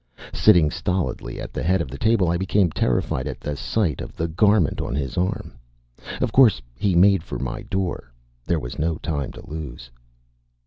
Sitting stolidly at the head of the table I became terrified at the sight of the garment on his arm. Of course he made for my door. There was no time to lose.